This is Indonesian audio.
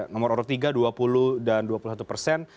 nomor urut tiga dua puluh dan dua puluh satu persen